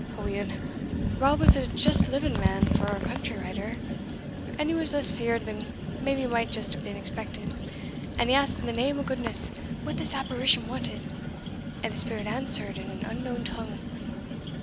Aweel, Rab was a just living man for a country writer and he was less feared than maybe might just hae been expected; and he asked in the name o' goodness what the apparition wanted and the spirit answered in an unknown tongue.